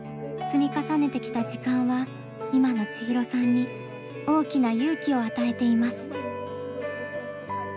積み重ねてきた時間は今の千尋さんに大きな勇気を与えています。